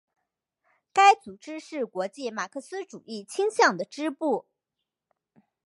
该组织是国际马克思主义倾向的支部。